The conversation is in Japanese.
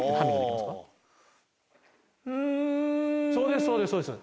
そうですそうです。